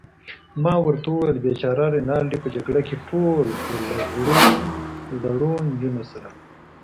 ما ورته وویل: بېچاره رینالډي، په جګړه کې ټول، خو له زړو نجونو سره.